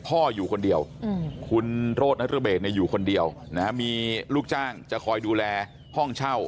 พ่ออยู่คนเดียวคุณโรธนรเบศอยู่คนเดียวมีลูกจ้างจะคอยดูแลห้องเช่า